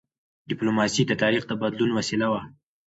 ډيپلوماسي د تاریخ د بدلون وسیله وه.